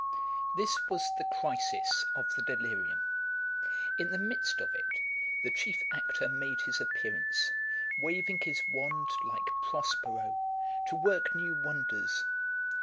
This was the crisis of the delirium. In the midst of it, the chief actor made his appearance, waving his wand, like Prospero, to work new wonders.